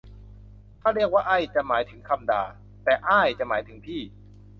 ถ้าเรียกว่าไอ้ จะหมายถึงคำด่า แต่อ้ายจะหมายถึงพี่